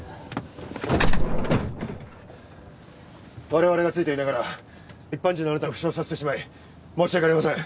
我々がついていながら一般人のあなたを負傷させてしまい申し訳ありません！